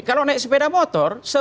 kalau naik sepeda motor